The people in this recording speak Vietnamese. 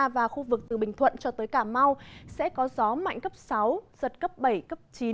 và khu vực từ bình thuận cho tới cà mau sẽ có gió mạnh cấp sáu giật cấp bảy cấp chín